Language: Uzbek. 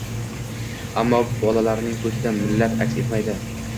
ammo bolalarning ko‘zida millat aks etmaydi